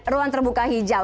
ruang terbuka hijau